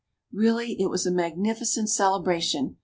Really, it was a magnificent cele bration.